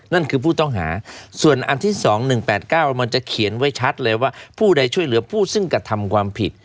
นั่นคือผู้ต้องหาส่วนอันที่๒๑๘๙มันจะเขียนไว้ชัดว่าผู้ถึงกระทำความผิด